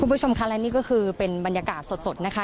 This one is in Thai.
คุณผู้ชมค่ะและนี่ก็คือเป็นบรรยากาศสดนะคะ